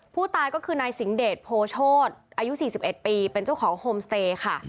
ผู้ตายก็คือนายสิงเดชโพโชธอายุ๔๑ปีเป็นเจ้าของโฮมสเตย์ค่ะ